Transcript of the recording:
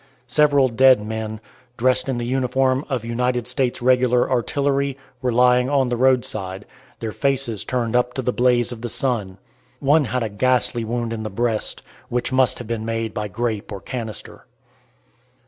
Several dead men, dressed in the uniform of United States regular artillery, were lying on the roadside, their faces turned up to the blaze of the sun. One had a ghastly wound in the breast, which must have been made by grape or canister.